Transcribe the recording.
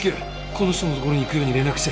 この人の所に行くように連絡して！